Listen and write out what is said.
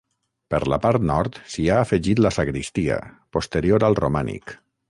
Per la part nord s'hi ha afegit la sagristia, posterior al romànic.